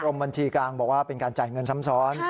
บัญชีกลางบอกว่าเป็นการจ่ายเงินซ้ำซ้อน